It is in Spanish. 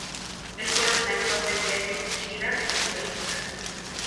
Él fue el mentor de Jacques Chirac en políticas.